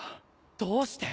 どうして？